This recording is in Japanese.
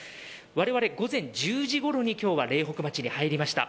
われわれ、午前１０時ごろに今日は苓北町に入りました。